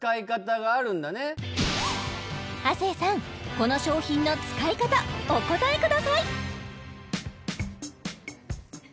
この商品の使い方お答えください